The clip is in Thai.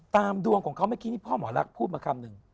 ตามดวงของเขาไม่คิดนี่พ่อหมอรักพูดมาคำหนึ่ง